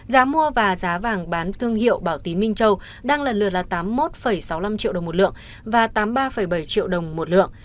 giá mua và giá vàng bán thương hiệu bảo tí minh châu đang lần lượt là tám mươi một sáu mươi năm triệu đồng một lượng và tám mươi ba bảy triệu đồng một lượng